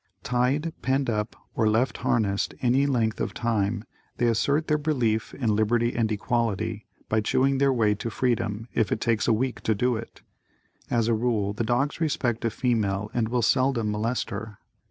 ] Tied, penned up or left harnessed any length of time, they assert their belief in "Liberty and Equality" by chewing their way to freedom if it takes a week to do it. As a rule, the dogs respect a female and will seldom molest her.